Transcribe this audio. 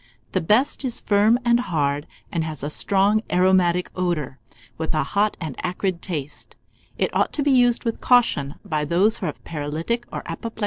The best is firm and hard, and has a strong aromatic odour, with a hot and acrid taste. It ought to be used with caution by those who are of paralytic or apoplectic habits.